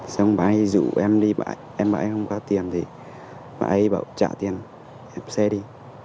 xong bà ấy rủ em đi em bảo em không có tiền thì bà ấy bảo trả tiền em xe đi